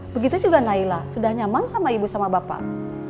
begitu juga naila sudah nyaman sama ibu sama bapak